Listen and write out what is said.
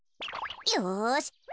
よし！